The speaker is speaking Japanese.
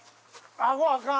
あごあかん。